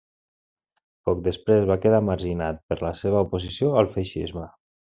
Poc després va quedar marginat per la seva oposició al feixisme.